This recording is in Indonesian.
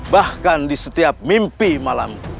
bahkan di setiap mimpi malam